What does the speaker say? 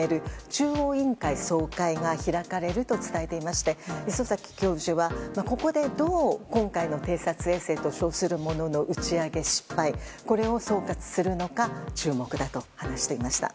中央委員会総会が開かれると伝えていまして礒崎教授は、ここでどう今回の偵察衛星と称するものの打ち上げ失敗を総括するのか注目だと話していました。